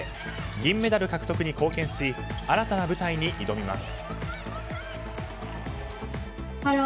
銀メダル獲得に貢献し新たな舞台に挑みます。